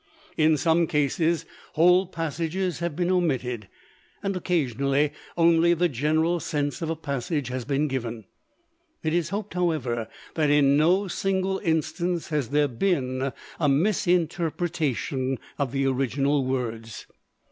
In some cases, whole passages have been omitted; and occasionally only the general sense of a passage has been given. It is hoped, however, that, in no single instance has there been a misinterpretation of the original words.